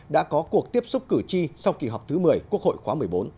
đã có cuộc tiếp xúc cử tri sau kỳ họp thứ một mươi quốc hội khóa một mươi bốn